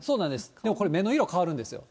でもこれ、目の色変わるんですよ。